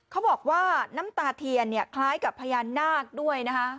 เขาบอกว่าน้ำตาเทียนเนี่ยคล้ายกับพญานาคด้วยนะคะ